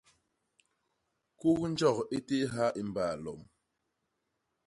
Kuknjok i téé ha i mbaa lom.